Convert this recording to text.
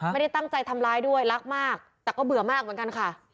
ไม่ได้ตั้งใจทำร้ายด้วยรักมากแต่ก็เบื่อมากเหมือนกันค่ะ